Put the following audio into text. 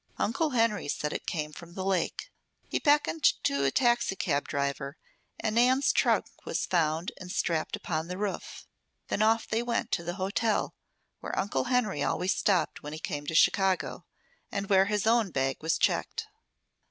Uncle Henry said it came from the lake. He beckoned to a taxicab driver, and Nan's trunk was found and strapped upon the roof. Then off they went to the hotel where Uncle Henry always stopped when he came to Chicago, and where his own bag was checked.